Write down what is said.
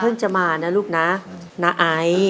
เพื่อนจะมานะลูกนะนะไอ